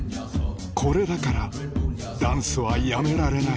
これだからダンスはやめられない